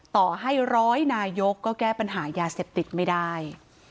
ต่อให้ร้อยนายกก็แก้ปัญหายาเสพติดไม่ได้